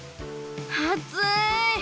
あつい！